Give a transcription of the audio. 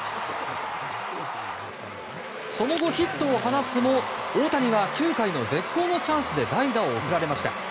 その後、ヒットを放つも大谷は９回の絶好のチャンスで代打を送られました。